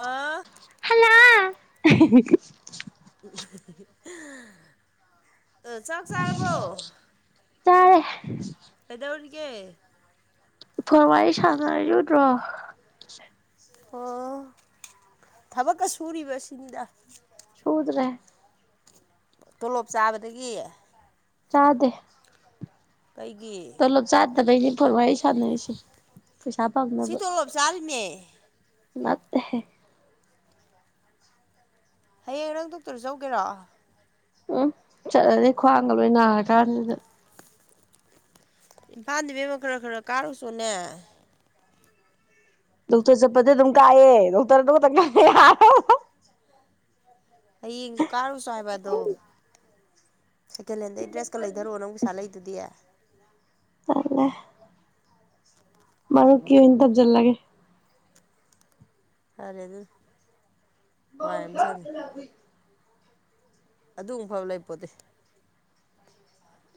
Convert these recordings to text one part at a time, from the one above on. ꯑꯥ hello ꯆꯛ ꯆꯥꯔꯕꯣ ꯆꯥꯔꯦ ꯀꯩꯗꯧꯔꯤꯒꯦ ꯐꯣꯟ ꯋꯥꯔꯤ ꯁꯅꯔꯤꯁꯦ ꯎꯗꯔꯣ ꯑꯣ ꯊꯕꯛꯀ ꯁꯨꯔꯤꯕꯁꯤꯅꯤꯗ ꯁꯨꯗ꯭ꯔꯦ ꯇꯣꯂꯣꯞ ꯆꯥꯕꯗꯒꯤ ꯆꯥꯗꯦ ꯀꯩꯒꯤ ꯄꯨꯂꯞ ꯆꯥꯠꯗꯒꯩꯅꯤ ꯐꯔꯋꯥ ꯑꯩ ꯁꯥꯟꯅꯁꯦ ꯄꯩꯁꯥ ꯄꯥꯝ ꯁꯤ ꯇꯣꯂꯣꯞ ꯆꯥꯔꯤꯅꯦ ꯅꯠꯇꯦ ꯍꯌꯦꯡ ꯅꯪ ꯗꯣꯛꯇꯔ ꯆꯠꯂꯨꯒꯦꯔꯣ ꯎꯝ ꯆꯠꯂꯅꯤ ꯈ꯭ꯋꯥꯡꯒ ꯂꯣꯏ ꯅꯥꯔ ꯀꯥꯟꯁꯤꯗ ꯏꯝꯐꯥꯟꯗꯕꯦꯝꯃ ꯈꯔ ꯈꯔ ꯀꯥꯔꯨꯆꯣꯅꯦ ꯗꯣꯛꯇꯔ ꯆꯠꯄꯗꯤ ꯑꯗꯨꯝ ꯀꯥꯏꯑ ꯗꯣꯛꯇꯔ ꯑꯗꯨ ꯈꯛꯇꯪ ꯉꯥꯏ ꯍꯌꯦꯡꯁꯨ ꯀꯥꯔꯨꯆꯣ ꯍꯥꯏꯕ ꯑꯗꯣ ꯁꯦꯀꯦꯟ ꯍꯦꯟꯗꯩ ꯗ꯭ꯔꯦꯁꯀ ꯂꯩꯙꯔꯛꯑꯣ ꯅꯪ ꯄꯩꯁꯥ ꯂꯩꯗꯨꯗꯤ ꯇꯂꯦ [inaudible] ꯃꯔꯨꯞꯀꯤ ꯑꯣꯏꯅ ꯊꯝꯖꯦꯜꯂꯒꯦ ꯐꯔꯦ ꯑꯗꯨ ꯂ [inaudible] ꯑꯗꯨꯒꯨꯝꯕ ꯐꯕ ꯂꯩꯄꯣꯠꯇꯗꯤ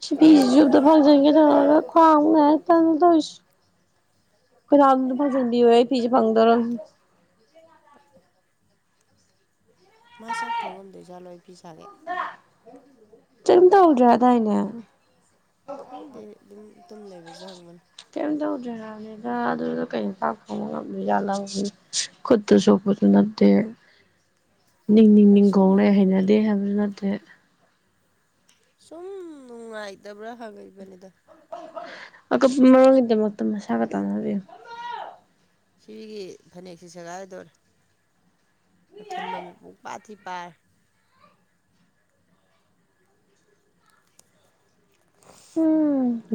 ꯁꯤ ꯐꯤꯁꯤꯁꯨ ꯐꯪꯖꯟꯒꯦ ꯇꯧꯔꯒ ꯈ꯭ꯋꯥꯡ ꯑꯃꯨꯛ ꯅꯥꯏ ꯇꯦꯔꯤꯁꯤ ꯀꯗꯥꯝꯅ ꯐꯖꯟꯗꯤ ꯐꯤꯖ ꯐꯪꯗꯔꯣ ꯃꯥ ꯆꯥꯛ ꯊꯣꯡ ꯉꯝꯗꯣꯏꯖꯠꯂꯣ ꯑꯩ ꯄꯤ ꯁꯥꯒꯦ ꯀꯩꯝ ꯇꯧꯗ꯭ꯔꯦ ꯗꯥꯏꯅꯦ ꯈꯪꯗꯦ ꯑꯗꯨꯝ ꯇꯨꯝ ꯂꯩꯕꯁꯨ ꯍꯪꯕꯅꯤ ꯀꯝ ꯇꯧꯗꯦꯗꯥ ꯑꯗꯨꯗ ꯑꯗꯨꯗ ꯀꯩ ꯄꯥꯛ ꯐꯪꯕ ꯉꯝꯗꯖꯠꯂꯝ ꯈꯨꯠꯇꯨ ꯁꯣꯛꯄꯁꯨ ꯅꯠꯇꯦ ꯎꯝ [inaudible] ꯅꯤꯡ ꯅꯤꯡ ꯅꯤꯡ ꯈꯣꯡ ꯂꯩꯔꯦ ꯍꯩꯅꯗꯦ ꯌꯥꯝꯅꯥ ꯅꯠꯇꯦ ꯁꯨꯝ ꯅꯨꯡꯉꯥꯏꯇꯕ꯭ꯔꯥ ꯍꯪꯉꯛꯏꯕꯅꯤꯗ ꯑꯀꯨꯞꯄꯥ ꯃꯔꯣꯟꯒꯤꯗꯃꯛꯇ ꯃꯁꯥꯒ ꯇꯥꯟꯅꯕꯤꯌꯨ ꯁꯤꯒꯤ ꯐꯅꯦꯛꯁꯤ ꯁꯦꯒꯥꯏꯗꯧꯔꯦ ꯑꯊꯨꯟꯕ ꯃꯤꯄꯨꯡ ꯄꯥꯊꯤ ꯄꯥꯏꯔꯦ [inaudible]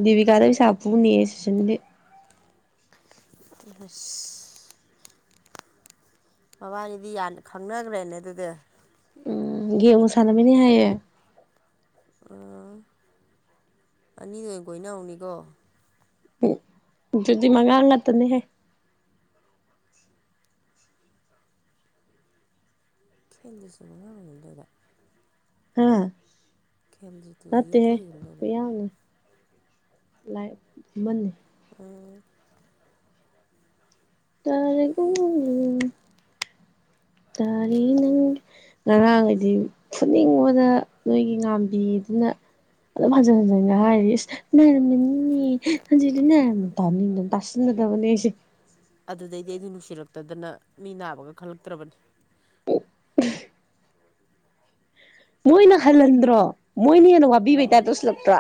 ꯗꯤꯕꯤꯀꯥ ꯅꯪ ꯁꯥꯔ ꯐꯨꯅꯦꯌꯦ ꯁꯨꯁꯤꯟꯒꯤ ꯄꯁ [inaudible] ꯃꯕꯥꯅꯤꯗꯤ ꯌꯥꯝ ꯈꯪꯅꯈ꯭ꯔꯦꯅꯦ ꯑꯗꯨꯗꯤ ꯎꯝ ꯒꯦꯝ ꯁꯥꯟꯅꯃꯤꯅꯩ ꯍꯥꯏꯌꯦ ꯑꯥ ꯑꯅꯤꯗ ꯑꯣꯏꯅ ꯀꯣꯏꯅꯍꯧꯅꯤꯀꯣ ꯎꯝ ꯑꯗꯨꯗꯤ ꯃꯉꯥꯡ ꯉꯥꯛꯇꯅꯤꯍꯦ ꯐꯦꯟꯗꯁꯤꯕꯅ ꯑꯉ ꯂꯩꯗ [inaudible] ꯎꯝ ꯈꯦꯝꯖꯤꯠꯇꯨꯁꯨ ꯅꯥꯇꯦꯍꯦ ꯌꯨꯝꯊꯪ ꯌꯨꯝꯗꯩꯔ ꯃꯌꯥꯡꯅꯤ ꯂꯥꯛ ꯅꯝꯃꯤ ꯎꯝ ꯇꯔꯒ ꯇꯔꯦꯅ ꯉꯔꯥꯡꯒꯥꯗꯤ ꯐꯅꯤꯡꯕꯅ ꯅꯣꯏꯒꯤ ꯉꯥꯝꯕꯤꯗꯨꯅ ꯑꯗꯨꯝ ꯍꯟꯖꯤꯟ ꯍꯟꯖꯤꯟ ꯍꯥꯏꯔꯤ ꯅꯥꯔꯝꯃꯤꯅꯤꯅꯦ ꯍꯧꯖꯤꯗꯤ ꯅꯥꯔꯝ ꯊꯅꯤꯅ ꯇꯁꯤꯟꯟꯅꯗꯕꯅꯦꯁꯦ [inaudible] ꯑꯗꯨꯗꯩꯗꯤ ꯑꯩꯗꯨ ꯅꯨꯡꯁꯤꯔꯛꯇꯗꯅ ꯃꯤ ꯅꯥꯕꯒ ꯈꯜꯂꯛꯇ꯭ꯔꯕꯅꯤ ꯃꯣꯏꯅ ꯍꯜꯍꯟꯗ꯭ꯔꯣ ꯃꯣꯏꯅ ꯍꯦꯟꯅ ꯋꯥꯕꯤꯕꯩ ꯎꯝ ꯇꯞ ꯇꯧꯁꯤꯜꯂꯛꯇ꯭ꯔꯥ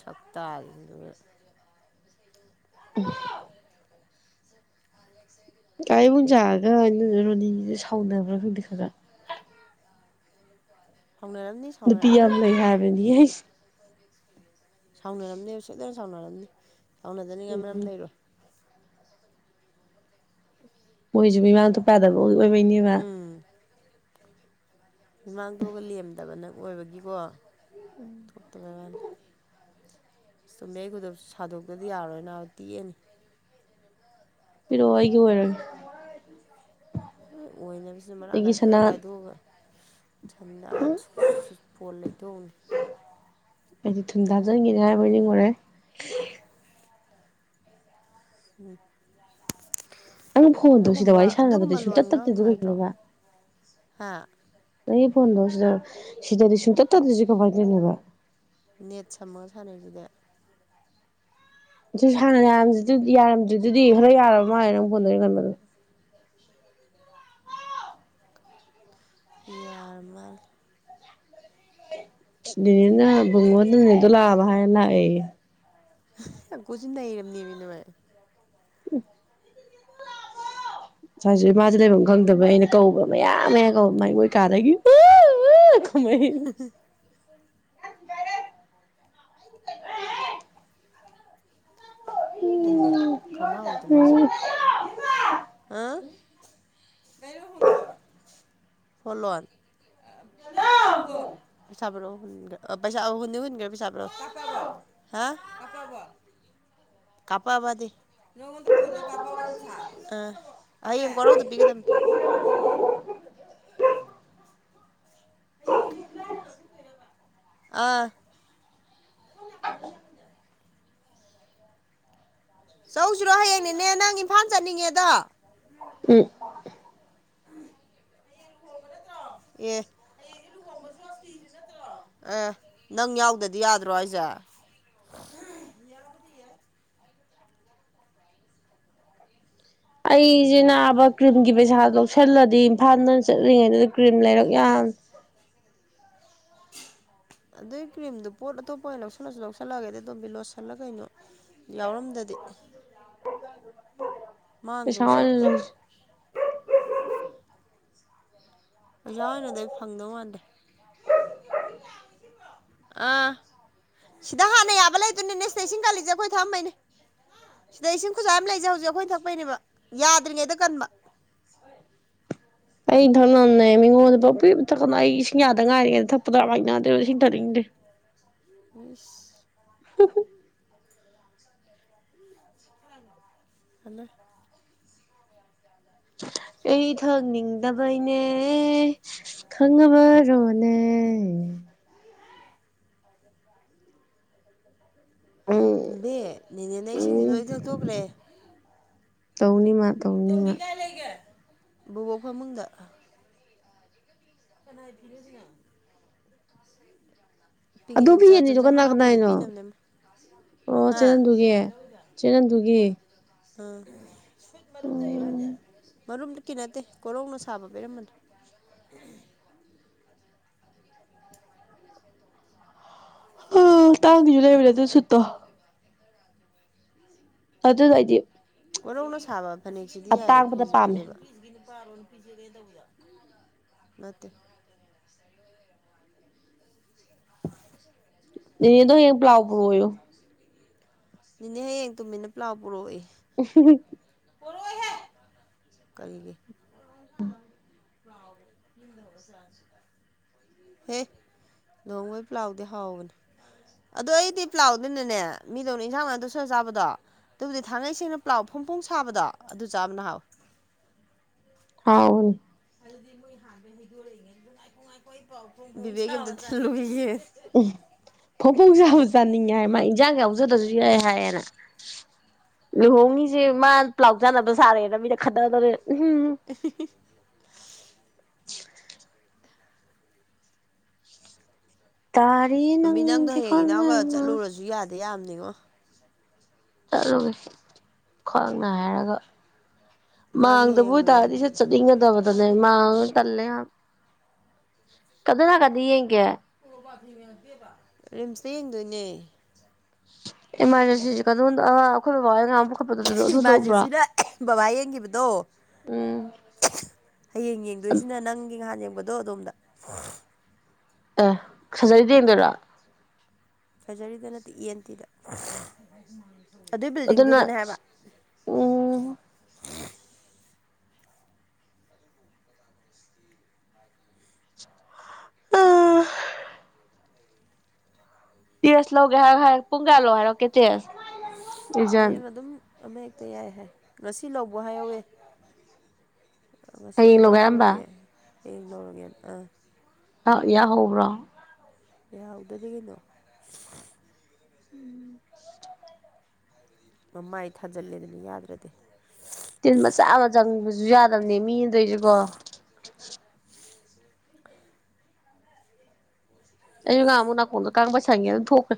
ꯁꯣꯛꯇꯥꯜ ꯎꯝ ꯑꯁ ꯀꯥ ꯏꯕꯣꯝꯆꯒ ꯏꯟꯗꯣꯝꯆꯥ ꯔꯣꯅꯤ ꯁꯥꯎꯅꯕ꯭ꯔ ꯈꯪꯗ ꯈꯥꯒꯥ ꯁꯥꯎꯅꯔꯝꯅꯤ ꯅꯨꯄꯤ ꯁꯥꯎꯅꯔꯝꯅꯤ ꯌꯝ ꯂꯩ ꯍꯥꯏꯕꯅꯤ ꯁꯥꯎꯅꯔꯝꯅꯦꯕ ꯁꯣꯏꯗꯅ ꯁꯥꯎꯅꯔꯝꯅꯤ ꯁꯥꯎꯅꯗꯅꯤꯡꯉꯥꯏ ꯃꯔꯝ ꯎꯝ ꯂꯩꯔꯣꯏ ꯃꯣꯏꯁꯨ ꯃꯤꯃꯥꯡ ꯊꯣꯛꯄꯥꯥ ꯌꯗꯕ ꯑꯣꯏꯕꯩꯅꯦꯕ ꯎꯝ ꯃꯤꯃꯥꯡ ꯊꯣꯛꯑꯒ ꯂꯦꯝꯗꯕꯅ ꯑꯣꯏꯕꯒꯤꯀꯣ ꯊꯣꯛꯇꯕꯩ ꯋꯥꯅꯤ ꯆꯨꯝꯃꯦ ꯑꯩ ꯈꯨꯗꯣꯞꯁꯦ ꯁꯥꯗꯣꯛꯇꯗꯤ ꯌꯥꯔꯣꯏꯅꯥꯕ ꯇꯤꯛꯑꯅꯤ ꯄꯤꯔꯣ ꯑꯩꯒꯤ ꯑꯣꯏꯔꯒꯦ ꯍꯣꯏ ꯑꯣꯏꯅꯕꯖꯨ ꯃꯔꯥꯡ ꯑꯩꯒꯤ ꯀꯥꯏ ꯊꯣꯛ ꯁꯅꯥ ꯍꯦꯛ ꯀꯥꯏꯊꯣꯛꯑꯒ ꯊꯝꯅ ꯐꯣꯜ ꯂꯩꯊꯣꯛꯎꯅꯤ ꯑꯩꯗꯤ ꯊꯨꯟꯗ ꯍꯥꯞꯆꯤꯟꯒꯦꯅꯦ ꯍꯥꯏꯕꯣꯏ ꯅꯤꯡꯉꯣꯔꯦ [unintelligible] ꯎꯝ ꯅꯪ ꯐꯣꯟꯗꯣ ꯁꯤꯗ ꯑꯗꯨꯒꯨꯝꯕ ꯋꯥꯔꯤ ꯁꯥꯟꯅꯕꯗꯤ ꯑꯗꯨꯒꯨꯝꯕ ꯂꯣꯟ ꯁꯨꯡꯇꯠ ꯉꯥꯡꯅꯨ ꯇꯠꯇꯦꯗꯣ ꯍꯥꯏꯗ꯭ꯔꯣ ꯀꯩꯒꯤꯅꯣꯕ ꯍꯥ ꯅꯪꯒꯤ ꯐꯣꯟꯗꯧ ꯁꯤꯗ ꯁꯤꯗꯗꯤ ꯁꯨꯡꯇꯠꯇ ꯇꯠꯗꯔꯤꯁꯦ ꯀꯃꯥꯏꯟ ꯇꯧꯔꯤꯅꯣꯕ ꯅꯦꯠ ꯁꯝꯃ ꯁꯥꯅꯩꯖꯤꯗꯤ ꯑꯗꯨ ꯍꯥꯟꯅ ꯌꯥꯔꯝꯁꯤꯗꯤ ꯌꯥꯔꯝꯗ꯭ꯔꯔꯤꯗꯨꯗꯤ ꯈꯔ ꯌꯥꯔꯕ ꯃꯥꯜꯂꯦ ꯅꯪ ꯐꯣꯟꯗꯔꯤ ꯈꯟꯕꯗꯣ ꯌꯥꯔꯃꯜꯂꯦ ꯅꯦꯅꯦꯅ ꯕꯨꯡꯉꯣ ꯑꯗꯨꯅꯤꯗꯣ ꯂꯥꯕ ꯍꯥꯏ ꯂꯥꯛꯑꯦꯌꯦ ꯑꯒꯣꯖꯦ ꯅꯩꯔꯝꯅꯦꯃꯦ ꯅꯣꯏ [unintelligible] ꯉꯁꯥꯏꯁꯨ ꯃꯥꯥꯁꯦ ꯂꯩꯐꯝ ꯈꯪꯗꯕ ꯑꯩꯅ ꯀꯧꯕ ꯃꯌꯥꯝ ꯃꯌꯥꯝ ꯀꯧꯕ ꯃꯒꯣꯏ ꯀꯥꯗꯒꯤ ꯈꯨꯝꯃꯛꯏ [unintelligible] ꯇꯨꯝꯕꯤ ꯈꯣꯡꯒ꯭ꯔꯥꯎ ꯑꯃꯝꯇ ꯂꯩꯖꯦ ꯎꯝ ꯏꯕꯦꯝꯃ ꯍꯥ ꯀꯩꯅꯣ ꯅꯪ ꯐꯣꯟ ꯇꯧꯕꯔꯥ ꯐꯣꯜꯂꯣꯟ ꯅꯥꯅꯥꯎ [unintelligible] ꯀꯄꯥꯕꯗꯤ ꯅꯉꯣꯟꯗ ꯐꯣꯟꯗ ꯀꯥꯞꯄꯥꯕ ꯕ ꯄꯩꯁꯥ ꯍꯌꯦꯡ ꯋꯔꯧꯗ ꯄꯤꯒꯗꯕꯅꯤ ꯑꯥ [inaudible] ꯆꯧꯁꯤꯔꯣ ꯍꯌꯦꯡ ꯅꯦꯅꯦ ꯅꯪ ꯏꯝꯐꯥꯜ ꯆꯠꯅꯤꯡꯉꯦꯗꯣ ꯎꯝ ꯑꯦ ꯑꯥ ꯅꯪ ꯌꯥꯎꯗꯗꯤ ꯌꯥꯗ꯭ꯔꯣ ꯍꯥꯏꯖꯦ ꯌꯥꯕꯨꯗꯤ ꯌꯥꯏ [inaudible] ꯑꯩꯁꯦ ꯅꯥꯕ ꯀ꯭ꯔꯤꯝꯒꯤ ꯄꯩꯁꯥ ꯂꯧꯁꯜꯂꯗꯤ ꯏꯝꯐꯥꯜꯗ ꯆꯠꯂꯤꯉꯩꯗꯨꯗ ꯀ꯭ꯔꯤꯝ ꯂꯩꯔꯛ ꯌꯥꯕꯅꯤ ꯑꯗꯨꯏ ꯀ꯭ꯔꯤꯝꯗꯨ ꯄꯣꯠ ꯑꯇꯣꯞꯄ ꯑꯣꯏꯅ ꯂꯧꯁꯜꯂꯁꯨ ꯂꯧꯁꯜꯂꯑꯒꯦꯗ ꯇꯣꯝꯕꯤ ꯂꯣꯁꯜꯂ ꯀꯩꯅꯣ ꯌꯥꯎꯔꯝꯗꯗꯤ ꯄꯩꯁꯥ ꯃꯥꯡꯗꯧ ꯑꯣꯏꯅ ꯁꯔꯨꯛ ꯂꯧꯁꯤ ꯄꯩꯁꯥ ꯑꯣꯏꯅꯗꯤ ꯑꯩ ꯐꯪꯗꯧ ꯃꯥꯟꯗꯦ ꯑꯥ ꯁꯤꯗ ꯍꯥꯟꯅ ꯌꯥꯕ ꯂꯩꯗꯨꯅꯦ ꯁꯤꯗ ꯏꯁꯤꯡ ꯀꯥꯂꯤꯖꯦ ꯑꯩꯈꯣꯏ ꯊꯛꯑꯝꯕꯅꯦ ꯁꯤꯗ ꯏꯁꯤꯡ ꯈꯨꯖꯥꯏ ꯑꯃ ꯂꯩꯖꯩ ꯍꯧꯖꯤꯛ ꯑꯩꯈꯣꯏꯅ ꯊꯛꯄꯩꯅꯦꯕ ꯌꯥꯗ꯭ꯔꯤꯉꯩꯗ ꯀꯟꯕ [inaudible] ꯑꯩ ꯊꯛꯅꯕꯅꯦ ꯃꯤꯉꯣꯟꯗ ꯄꯥꯎꯄꯤꯗ ꯄꯤꯊꯛꯀꯥꯅꯨ ꯑꯩ ꯏꯁꯤꯡ ꯌꯥꯗ ꯉꯥꯏꯔꯤꯉꯩꯗ ꯊꯛꯄꯗꯣ ꯌꯝ ꯍꯩꯅꯥꯗꯦ ꯏꯁꯤꯡ ꯊꯅꯤꯡꯗꯦ ꯏꯁ [unintelligible] ꯍꯜꯂꯣ ꯑꯩ ꯏ ꯊꯪꯅꯤꯡ ꯂꯕꯩꯅꯦ ꯈꯉꯕ ꯔꯣꯅꯦ ꯑꯥꯏ ꯎꯝ ꯇꯨꯝꯗꯦ ꯅꯦꯅꯦꯅꯦ ꯏꯁꯤꯡꯁ ꯎꯝ ꯂꯣꯏ ꯊꯛꯇꯣꯛꯈ꯭ꯔꯦ ꯇꯧꯅꯤꯃ ꯇꯤ ꯇꯧꯅꯤꯃ ꯀꯥꯏ ꯂꯩꯒ ꯕꯕꯣꯛ ꯐ ꯃꯗ ꯀꯅꯥꯏ ꯐꯤꯅ ꯁꯤꯒ ꯑꯗꯨ ꯐꯤ ꯑꯅꯤꯗꯣ ꯟꯆꯟ ꯀꯅꯥ ꯃꯅꯥꯎꯄꯤꯗ ꯀꯅꯥꯏꯅꯣ ꯄꯤꯅꯕꯅꯦꯅ ꯑꯣ ꯍꯥ ꯆꯦꯅꯟꯗꯨꯒꯤ ꯆꯦꯅꯟꯗꯨꯒꯤ ꯎ ꯑ ꯁꯨꯠ ꯃꯔ ꯇꯣꯏꯂꯖ ꯃꯔꯨꯝꯗꯨꯛꯀꯤ ꯅꯠꯇꯦ ꯀꯣꯔꯧꯅ ꯁꯥꯕ ꯄꯤꯔꯝꯕꯅꯣ [unintelligible] ꯎ ꯇꯥꯡꯒꯤꯁꯨ ꯂꯩꯕ꯭ꯔꯥ ꯑꯗꯨ ꯁꯨꯠꯇꯣ ꯑꯗꯨ ꯍꯥꯏꯗꯤ ꯋꯥꯔꯧꯅ ꯁꯥꯕ ꯐꯅꯦꯛꯁꯤꯗꯤ ꯌꯥꯏꯑꯕ ꯄꯤꯁꯤ ꯄꯥꯝꯃꯦ ꯄꯤꯛꯑꯦꯕ ꯅꯤ ꯄꯥꯔꯣ ꯄꯧꯠꯇ [unintelligible] ꯏꯅꯦꯗꯣ ꯍꯡ ꯄ꯭ꯂꯥꯎ ꯄꯨ꯭ꯔꯨ ꯑꯣꯏꯌꯨ ꯅꯅꯦ ꯍꯌꯦꯡ ꯇꯨꯃꯤꯟꯅ ꯄ꯭ꯂꯥꯎ ꯄꯨꯔꯛꯏꯦ ꯎꯝ ꯀꯒꯦ ꯑ ꯍꯥꯎꯗ ꯍꯁ ꯔ ꯍꯦ. ꯅꯣꯡꯃꯣꯏ ꯄ ꯂꯥꯎꯗꯦ ꯍꯥꯎꯕꯅꯦ ꯑꯗꯣ ꯑꯩꯗꯤ ꯄ ꯂꯥꯎꯗꯣꯏꯅꯅꯦ ꯃꯤꯗꯧꯅ ꯏꯟꯁꯥꯡ ꯅꯥꯗ ꯁꯔ ꯆꯥꯕꯗꯣ ꯑꯗꯨꯕꯨꯗꯤ ꯊꯥꯡꯅꯩ ꯁꯦꯡꯅ ꯄ꯭ꯂꯥꯎ ꯐꯨꯝ ꯐꯣꯡ ꯁꯥꯕꯗꯣ ꯑꯗꯨ ꯆꯥꯕ. ꯅ ꯍꯥꯎꯋꯏ ꯍꯥꯎꯅꯤ ꯕꯤꯕꯦꯀ ꯑꯗꯨꯗ ꯆꯂꯨꯒꯤꯦ ꯐꯣꯡ ꯐꯣꯡꯁꯕ ꯆꯥꯅꯤꯡꯉꯦ ꯍꯥꯏ ꯃꯥ ꯏꯟꯖꯥꯡ ꯌꯥꯎꯖꯗ꯭ꯔꯁꯨ ꯌꯥꯏ ꯍꯥꯏꯌꯦꯅ ꯂꯨꯍꯣꯡꯉꯤꯁꯦ ꯃꯥ ꯂꯥꯎ ꯆꯅꯕ ꯁꯥꯔꯦꯗ ꯃꯤꯗ ꯈꯊꯗꯧꯔꯦ ꯎꯝ ꯑꯦ ꯇꯥꯔꯤ ꯑꯗꯨ ꯃꯤ ꯅꯪꯗꯣ ꯅꯪꯁꯦ ꯍꯌꯦꯡ ꯏꯅꯥꯎꯒ ꯈꯪꯖꯅ ꯆꯠꯂꯨꯔꯁꯨ ꯌꯥꯗꯦ ꯌꯥꯝꯅꯤꯉꯣ ꯆꯠ. ꯂꯨꯒꯦ ꯈ꯭ꯡꯅ ꯍꯥꯏꯔꯒ ꯃꯥꯒꯤ ꯃꯥꯡꯗꯕ ꯍꯌꯦꯡ ꯔꯦꯟ ꯑꯣꯏꯇꯥꯥꯔꯗꯤ ꯁꯦ ꯆꯠꯅꯤꯡꯒꯗꯕꯗꯅꯦ ꯃꯥꯡ ꯇꯜꯂꯦ ꯀꯗꯅ ꯀꯗꯤ ꯏ ꯀꯌꯥ ꯔꯤꯝ. ꯁꯇ ꯌꯦꯡꯗꯣꯏꯅꯦ ꯏꯃ. ꯔꯖꯦꯟꯁꯤ ꯀꯣ ꯍꯈꯣꯏꯕꯥ ꯏꯃꯥꯔꯖꯦꯟꯁꯤꯅ ꯕꯕꯥ ꯌꯦꯡꯈꯤꯕꯗꯣ ꯎꯝ ꯍꯌꯦꯡ ꯌꯦꯡꯗꯣꯏꯁꯤꯅ ꯅꯪꯒꯤ ꯅꯍꯥꯟ ꯌꯦꯡꯕꯗꯣ ꯑꯗꯣꯝꯗ ꯑꯦ ꯁꯖꯔꯗ ꯌꯦꯡꯗꯣꯏꯔꯥ ꯐꯖ. ꯔꯤꯗ ꯅꯠꯇꯦ ꯏꯟ ꯇꯤꯗ ꯑꯗꯨꯏ ꯑꯗꯨ. ꯑꯗꯨꯅ ꯕꯤꯜꯗꯤꯡꯗꯨꯗꯅꯦ ꯍꯥꯏꯕ ꯎꯝ ꯑꯥ ꯇꯦꯔꯁ ꯂꯧꯒꯦ ꯍꯥꯏꯔꯣ ꯍꯥꯏꯔꯣ ꯄꯨꯡ ꯀ ꯂꯧꯣ ꯍꯥꯏꯔꯣ ꯀꯩꯦ ꯑꯁꯦ ꯍꯌꯦꯡ ꯑꯗꯨꯝ ꯑꯃ ꯍꯦꯛꯇ ꯌꯥꯏ ꯍꯥꯏ ꯉꯁꯤ ꯂꯧꯕ ꯍꯥꯏꯍꯧꯋꯦ ꯉꯁꯤꯗꯤ ꯍꯌꯦꯡ ꯂꯧꯒꯦ ꯍꯥꯏꯔꯝꯕ ꯂꯧꯔꯔꯒꯦ ꯑꯩ ꯂꯧꯔꯒꯦ ꯑꯥ ꯑ ꯌꯥꯍꯧꯕ꯭ꯔꯣ ꯀ ꯌꯥꯎꯗꯗꯤ ꯀꯩꯅꯣ ꯎꯝ ꯃꯃꯥꯏ ꯊꯥꯖꯤꯜꯂꯦꯗꯅ ꯌꯥꯗ꯭ꯔꯗꯤ ꯇꯤꯟ ꯃꯆꯥ ꯑꯃ ꯆꯪꯕꯁꯨ ꯌꯥꯗꯕꯅꯦ ꯃꯤꯗꯩꯁꯨ ꯀꯣ ꯑꯩꯁꯨ ꯉꯥꯃꯨꯛ ꯅꯥꯀꯣꯡꯗ ꯀꯥꯡꯕ ꯁꯪꯉꯦ ꯑꯗꯨꯝ ꯊꯣꯛꯈ꯭ꯔꯦ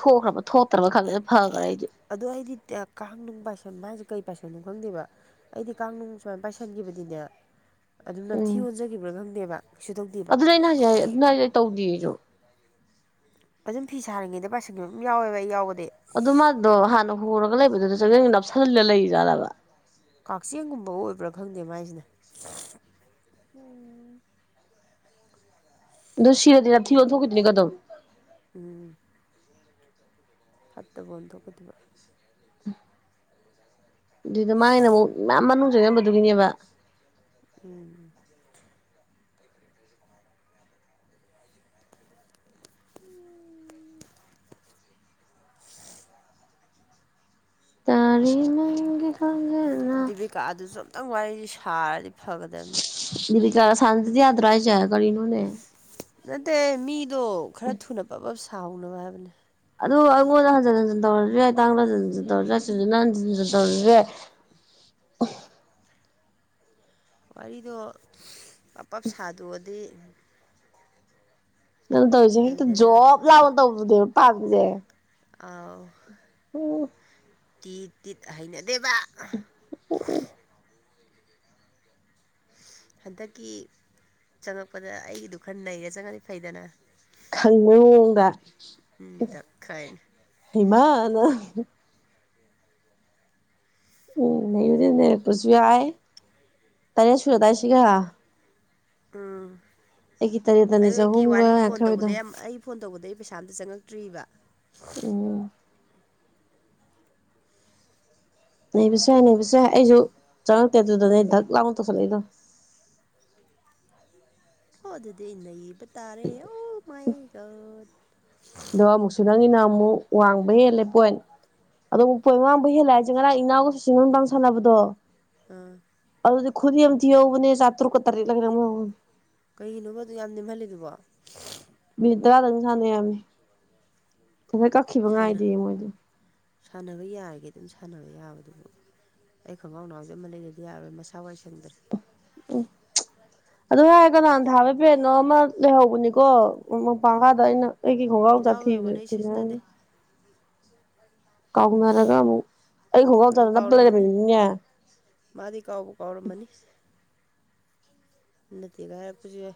ꯊꯣꯛꯈ꯭ꯔꯕ ꯊꯣꯛꯇ꯭ꯔꯕ ꯈꯜꯂꯦꯗ ꯐꯈ꯭ꯔꯦ ꯑꯩꯗꯤ ꯑꯗꯣ ꯑꯩꯗꯤ ꯀꯥꯡꯅꯨꯡ ꯄꯥꯏꯁꯟ ꯍꯥꯏꯁꯦ ꯀꯩ ꯄꯥꯏꯁꯟꯅꯣ ꯈꯪꯗꯦꯕ ꯑꯩꯗꯤ ꯀꯥꯡꯅꯨꯡ ꯁꯨꯃꯥꯏꯅ ꯄꯥꯏꯁꯟꯈꯤꯕꯗꯤꯅꯦ ꯑꯗꯨꯝ ꯅꯝꯊꯤ ꯑꯣꯣꯟꯖꯈꯤꯕ꯭ꯔꯥ ꯈꯪꯗꯦꯕ ꯀꯩꯁꯨ ꯇꯧꯗꯦꯕ ꯑꯗꯨꯗ ꯑꯩꯅ ꯍꯧꯖꯤꯛ ꯑꯗꯨꯗ ꯑꯩ ꯇꯧꯗꯦꯁꯨ ꯑꯗꯨꯝ ꯐꯤ ꯁꯥꯔꯅꯤꯡꯉꯦꯗ ꯄꯥꯔꯁꯟꯒꯤ ꯑꯗꯨꯝ ꯌꯥꯎꯋꯦꯕ ꯑꯩ ꯌꯥꯎꯒꯗꯤ ꯑꯗꯨ ꯃꯥꯗꯣ ꯍꯥꯟꯅ ꯍꯨꯔꯒ ꯂꯩꯕꯗꯨꯗ ꯆꯌꯦꯡ ꯅꯞꯁꯤꯜꯂ ꯂꯩꯖꯥꯕ ꯀꯛꯆꯤꯡꯒꯨꯝꯕ ꯑꯣꯏꯕ꯭ꯔꯥ ꯈꯪꯗꯦ ꯃꯥꯏꯁꯤꯅꯦ ꯎꯝ ꯑꯗꯣ ꯁꯤꯔꯗꯗꯤꯅ ꯊꯤꯕ ꯊꯣꯛꯈꯤꯣꯏꯅꯤꯒ ꯑꯗꯨꯝ ꯎꯝ ꯠꯇꯕꯗ ꯀꯗꯕ ꯑꯗꯨꯏꯗ ꯃꯥꯒꯤꯅ ꯑꯃꯨꯛ ꯌꯥꯝ ꯃꯅꯨꯡ ꯆꯂꯝꯝꯕꯗꯨꯒꯤꯅꯦꯕ ꯎꯝ ꯇꯔꯦ ꯅꯪꯒꯤ ꯈꯣꯟꯖꯦꯜꯅ ꯗꯤꯕꯤꯀꯥ ꯑꯗꯨꯁꯨ ꯑꯝꯇꯪ ꯋꯥꯔꯤꯗꯤ ꯁꯥꯔꯗꯤ ꯐꯒꯗꯝꯕꯅꯤ ꯗꯤ ꯀ ꯁꯥꯟꯗꯗꯤ ꯌꯥꯗ꯭ꯔ ꯍꯥꯏ ꯆꯒ ꯏꯅꯣꯅꯦ ꯅꯠꯇꯦ ꯃꯤꯗꯣ ꯈꯔ ꯊꯨꯅ ꯄꯕ ꯁꯥꯎꯅꯕ ꯍꯥꯏꯕꯅꯦ ꯑꯗꯨꯗꯣ ꯑꯩꯉꯣꯟꯗ ꯍꯟꯖꯤꯟ ꯍꯟꯖꯤꯟ ꯇꯧꯔꯨꯔꯦ ꯇꯥꯡꯗ ꯍꯟ ꯍꯟꯖꯤꯟ ꯇꯧꯔꯁꯤꯔꯦ ꯁꯤꯨꯖꯤꯅ ꯍꯟꯖꯤꯟ ꯍꯟꯖꯤꯟ ꯇꯧꯔꯦ ꯋꯥꯔꯤꯗꯣ ꯄ ꯄꯞ ꯁꯥꯗꯣꯛꯑꯗꯤ ꯅꯪ ꯇꯧꯔꯤꯁꯦ ꯍꯦꯛꯇ ꯐꯩꯗꯅ ꯖꯣꯕ ꯂꯥꯎꯅ ꯇꯧꯕꯗꯨꯅꯦꯕ ꯄꯥꯝꯃꯤꯁꯦ ꯑꯥꯎ ꯎꯝ ꯇꯤ ꯇꯤꯠ ꯍꯩꯅꯗꯦꯕ ꯍꯟꯗꯛꯀꯤ ꯆꯪꯉꯛꯄꯗ ꯑꯩꯒꯤꯗꯨ ꯈꯔ ꯅꯩꯔꯦ ꯆꯪꯉꯗꯤ ꯐꯩꯗꯅ ꯈꯪꯕꯑꯣꯡꯗ ꯎꯝ ꯗꯈꯤꯟ ꯏꯃꯥꯟ ꯎꯝ ꯅꯌꯨꯗꯤ ꯅꯔꯛꯄꯁꯨ ꯌꯥꯏ ꯇꯔꯦꯠ ꯁꯨꯨꯔꯗꯥꯏꯁꯤꯒ ꯎꯝ ꯑꯩꯒꯤ ꯇꯔꯦꯠꯇꯅꯦ ꯑꯩꯌꯣꯏꯒꯤ ꯆꯍꯨꯝꯒ ꯋꯥꯔꯤ ꯐꯣꯟ ꯌꯥꯡꯈꯩꯑꯣꯏꯗꯣ ꯇꯧꯕꯗ ꯌꯥꯝ ꯑꯩ ꯐꯣꯟ ꯇꯧꯕꯗ ꯑꯩ ꯄꯩꯁꯥ ꯑꯝꯇ ꯆꯪꯉꯛꯇ꯭ꯔꯤꯕ ꯎ ꯅꯩꯕꯁ ꯌꯥꯏ ꯅꯩꯕꯁ ꯌꯥꯦꯏ ꯑꯩꯁꯨ ꯆꯪꯉꯛꯇꯦ ꯑꯗꯨꯗꯅꯦ ꯑꯩ ꯙꯛ ꯂꯥꯛꯅ ꯇꯧꯁꯤꯜꯂꯛꯏꯗꯣ ꯑꯣ ꯑꯗꯨꯗꯤ ꯑꯩꯅ ꯏꯕ ꯇꯥꯔꯦ ꯑꯣ ꯃꯥꯏꯒꯠ ꯑꯗꯣ ꯑꯃꯨꯛꯁꯨ ꯅꯪꯒꯤꯅ ꯑꯃꯨꯛ ꯋꯥꯡꯕ ꯍꯦꯜꯂꯦ ꯄꯣꯏꯟ ꯑꯗꯣ ꯃꯛꯄꯣꯏ ꯉꯥꯡꯕꯨ ꯍꯦꯜꯂꯑꯏꯁꯦ ꯉꯔꯥꯡ ꯏꯅꯥꯎꯒꯁꯨ ꯥꯡ ꯁꯥꯟꯅꯕꯗꯣ ꯑꯥ ꯑꯗꯨꯗꯤ ꯈꯨꯗꯤ ꯑꯃ ꯊꯤꯍꯧꯕꯅꯦ ꯆꯥꯇꯔꯨꯛ ꯇꯔꯦꯠꯂꯒ ꯑꯃ ꯀꯩꯒꯤꯅꯣꯕꯗꯣ ꯌꯥꯝ ꯅꯦꯝꯍꯜꯂꯤꯕꯕꯣ ꯃꯤꯅꯤꯠ ꯇꯔꯥꯗꯪ ꯁꯥꯟꯅꯩꯔꯃꯤ ꯐꯇ ꯀꯛꯈꯤꯕ ꯁꯥꯟꯅ ꯉꯥꯏꯗꯦ ꯃꯣꯏꯗꯤ ꯁꯥꯟꯅꯕ ꯌꯥꯔꯤꯒꯦ ꯑꯗꯨꯝ ꯁꯥꯟꯅꯕ ꯌꯥꯕꯗꯨꯕꯨ ꯑꯩ ꯈꯣꯡꯒꯥꯎ ꯅꯥꯎꯁ ꯑꯃ ꯂꯩꯕꯗꯤ ꯌꯥꯔꯣꯏ ꯃꯁꯥ ꯋꯥꯏ ꯁꯪꯗ꯭ꯔꯦ ꯎꯝ ꯑꯗꯨ ꯌꯥꯔꯦ ꯀꯅꯥꯅ ꯊꯥꯕꯩ ꯄꯦꯠꯅꯣ ꯑꯃ ꯂꯩꯍꯧꯕꯅꯤꯀꯣ ꯃꯄꯥꯡꯒꯥꯗ ꯑꯩꯅ ꯑꯩꯒꯤ ꯣꯡꯒꯥꯥꯎ ꯏꯅꯥꯎꯒꯤ ꯆꯥꯊꯤ ꯑꯣꯏꯔꯝꯒꯅꯤ ꯑꯩ ꯀꯅ ꯁꯤꯖꯤꯟꯅꯗꯦ ꯀꯥꯎꯅꯔꯒ ꯑꯃꯨꯛ ꯑꯩ ꯑꯗꯨ ꯈꯣꯡꯒꯥꯎꯗꯔ ꯅꯞꯄ ꯀꯥꯎꯔꯝꯃꯅꯤ ꯂꯩꯔꯝꯃꯤꯅꯤꯅꯦ ꯃꯥꯗꯤ ꯀꯥꯎꯕꯨ ꯀꯧꯔ ꯃꯅꯤ ꯅꯠꯇꯒꯔ ꯄꯨꯁꯨꯦ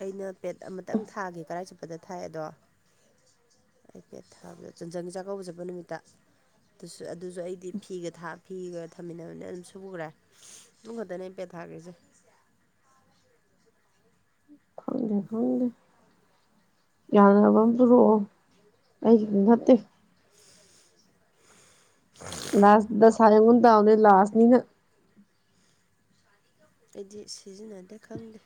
ꯑꯩꯅ ꯄꯦꯠ ꯑꯃꯇꯪ ꯊꯥꯒꯦ ꯀꯔꯥꯏ ꯆꯨꯞꯄꯗ ꯊꯥꯏ ꯑꯗꯣ ꯑꯩꯐꯦꯠ ꯊꯥꯕꯗꯣ ꯆꯟꯖꯪꯒꯤ ꯆꯥꯛꯀꯧꯕꯖꯄ ꯅꯨꯃꯤꯠꯇ ꯑꯗꯨꯁꯨ ꯑꯗꯨꯁꯨ ꯑꯩꯗꯤ ꯐꯤꯒꯥ ꯐꯤꯒ ꯊꯝꯃꯤꯟꯅꯕꯅꯤꯅ ꯑꯗꯨꯝ ꯁꯨꯈ꯭ꯔꯦ ꯑꯗꯨ ꯈꯛꯇꯅꯦ ꯏꯝꯄꯦ ꯊꯥꯒꯁꯦ ꯈꯪꯗꯦ ꯐꯪꯗꯦ ꯌꯥꯅꯕ ꯑꯃ ꯄꯨꯔꯛꯑꯣ ꯑꯩꯒꯤꯗꯤ ꯅꯠꯇꯦ ꯂꯥꯁꯗ ꯁꯥꯏꯝ ꯍꯗ ꯑꯣꯅꯤ ꯂꯥꯥꯁꯅꯤꯅ ꯑꯩꯗꯤ ꯁꯤꯖꯤꯟꯅꯗꯦ ꯈꯪꯗꯦ